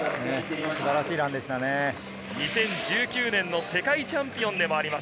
２０１９年の世界チャンピオンでもあります。